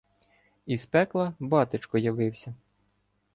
Із пекла батечко явився